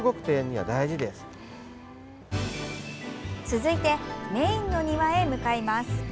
続いてメインの庭へ向かいます。